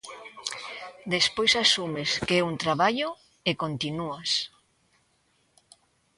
Despois asumes que é un traballo e continúas.